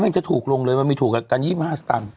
แม่หนูต้องถามแน่นอนแล้วเอ้าแล้ว